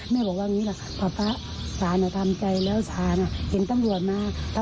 แม่ก็ก็ได้เก็บวันนาว่า